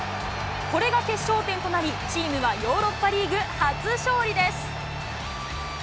これが決勝点となり、チームはヨーロッパリーグ初勝利です。